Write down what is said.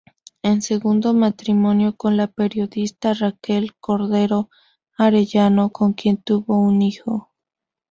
En segundo matrimonio con la periodista Raquel Cordero Arellano con quien tuvo un hijo.